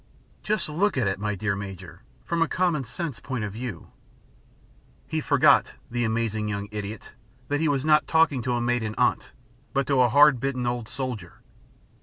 Just look at it, my dear Major, from a commonsense point of view " He forgot, the amazing young idiot, that he was talking not to a maiden aunt, but to a hard bitten old soldier.